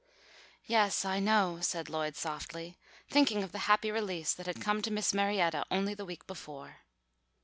"Yes, I know," said Lloyd softly, thinking of the happy release that had come to Miss Marietta only the week before.